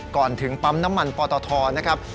ก่อนถึงปั๊มน้ำมันปตทนะครับ